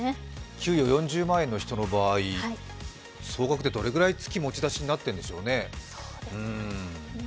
給与４０万円の人の場合、総額でどれぐらい月、持ち出しになってるんでしょうね。